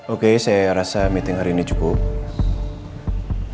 oke saya rasa meeting hari ini cukup